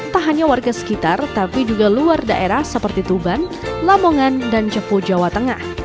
tak hanya warga sekitar tapi juga luar daerah seperti tuban lamongan dan cepo jawa tengah